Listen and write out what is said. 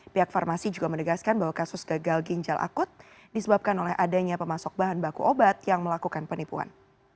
pihak farmasi juga menegaskan bahwa kasus gagal ginjal akut disebabkan oleh adanya pemasok bahan baku obat yang melakukan penipuan